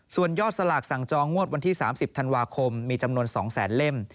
ส่วนยอดสลากสั่งจองงวดวันที่๓๐ธันวาคมมีจำนวน๒แสนเล่ม